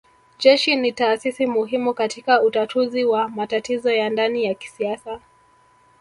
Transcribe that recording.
Jeshi ni taasisi muhimu katika utatuzi wa matatizo ya ndani ya kisiasa